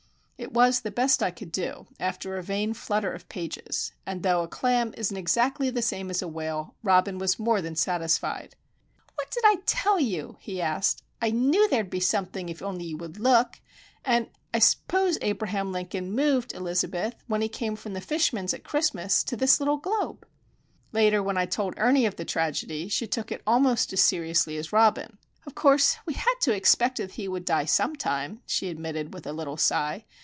It was the best I could do, after a vain flutter of pages, and though a clam isn't exactly the same as a whale, Robin was more than satisfied. "What did I tell you?" he asked. "I knew there'd be something if only you would look! And I s'pose Abraham Lincoln moved, Elizabeth, when he came from the fishman's at Christmas to this little globe." Later, when I told Ernie of the tragedy, she took it almost as seriously as Robin. "Of course we had to expect that he would die sometime," she admitted, with a little sigh.